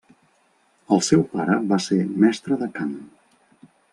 El seu pare va ser mestre de cant.